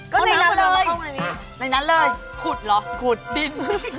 ก็ในนั้นเลยในนั้นเลยขุดเหรอขุดดิน